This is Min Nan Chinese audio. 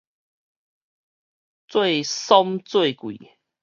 做參做桂